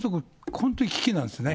本当に危機なんですね。